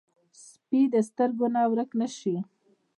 سپي د سترګو نه ورک نه شي.